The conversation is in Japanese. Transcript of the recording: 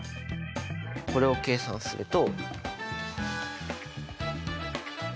これを計算すると。